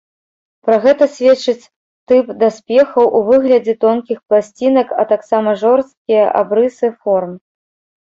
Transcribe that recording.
Пра гэта сведчыць тып даспехаў у выглядзе тонкіх пласцінак, а таксама жорсткія абрысы форм.